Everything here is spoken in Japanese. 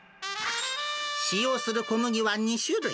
使用する小麦は２種類。